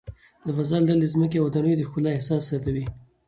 له فضا لیدل د ځمکې او ودانیو د ښکلا احساس زیاتوي.